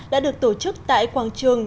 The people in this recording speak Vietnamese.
đã được tổ chức tại quảng trường